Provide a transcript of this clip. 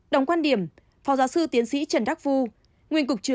đồng quan điểm phó giáo sư tiến sĩ trần đắc phu